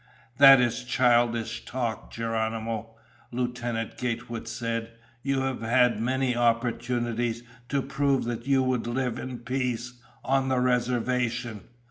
"That is childish talk, Geronimo," Lieutenant Gatewood said. "You have had many opportunities to prove that you would live in peace on the reservation.